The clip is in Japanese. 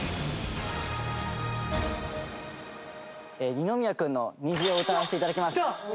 二宮君の『虹』を歌わせて頂きます。